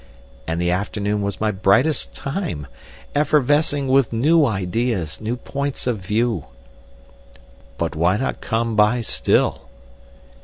And the afternoon was my brightest time!—effervescing with new ideas—new points of view." "But why not come by still?"